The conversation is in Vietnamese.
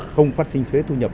không phát sinh thuế thu nhập